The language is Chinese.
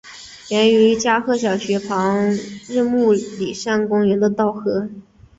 源自于加贺小学校旁日暮里山公园的稻荷。